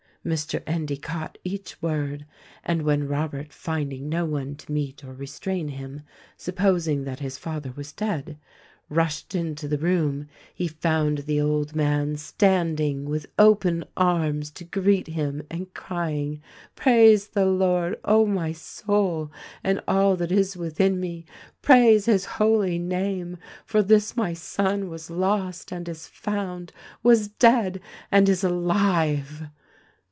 Mr. Endy caught each word, and when Robert — finding no one to meet or restrain him, supposing that his father was dead — rushed into the room, he found the old man standing with open arms to greet him and crying, "Praise the Lord, O my soul, and all that is within me, praise his Holy name ; for this my son was lost and is found — was dead and is alive."